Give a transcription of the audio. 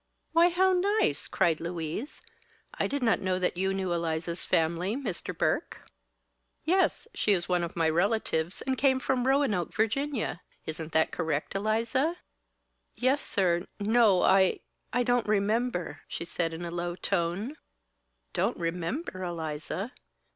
"Why, how nice!" cried Louise. "I did not know you knew Eliza's family, Mr. Burke." "Yes, she is one of my relatives, and came from Roanoke, Virginia. Isn't that correct, Eliza?" "Yes, sir no! I I don't remember!" she said, in a low tone. "Don't remember, Eliza?